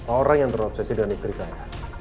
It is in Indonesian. orang yang terobsesi dengan istri saya